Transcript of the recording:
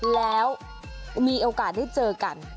แล้วมีโอกาสได้เจอกัน